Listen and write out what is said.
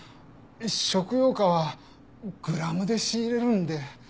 食用花はグラムで仕入れるんで。